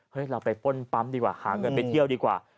เราไปป้นปั๊มดีกว่าหาเงินไปเที่ยวดีกว่า